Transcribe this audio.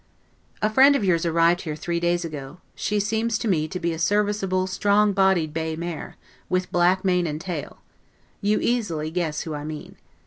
A friend of yours arrived here three days ago; she seems to me to be a serviceable strong bodied bay mare, with black mane and tail; you easily guess who I mean.